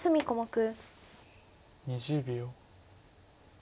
２０秒。